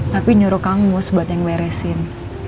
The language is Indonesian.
papi nyuruh kang mus buat yang meresin